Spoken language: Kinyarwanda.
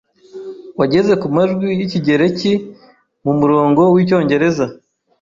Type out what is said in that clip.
wageze kumajwi yikigereki mumurongo wicyongereza